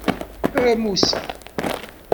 A Musa!